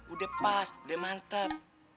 udah pas udah mantep